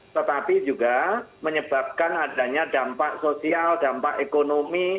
tetapi juga menyebabkan adanya dampak sosial dampak ekonomi